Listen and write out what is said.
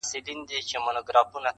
o د يوه سود د بل زيان!